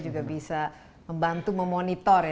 juga bisa membantu memonitor